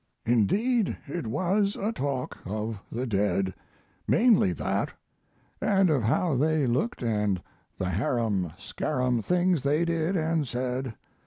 Indeed, it was a talk of the dead. Mainly that. And of how they looked & the harum scarum things they did & said.